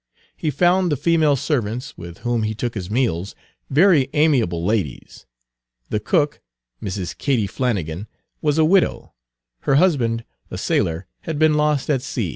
He found the female servants, with whom he took his meals, very amiable ladies. The cook, Mrs. Katie Flannigan, was a widow. Her husband, a sailor, had been lost at sea.